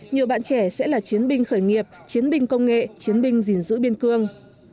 nhiều bạn trẻ sẽ là chiến binh khởi nghiệp chiến binh công nghệ chiến binh gìn giữ biên cương